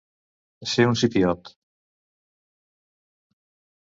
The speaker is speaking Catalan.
Ser un sipiot.